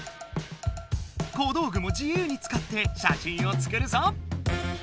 小どうぐもじゆうにつかってしゃしんを作るぞ！